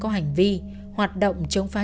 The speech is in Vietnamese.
có hành vi hoạt động chống phá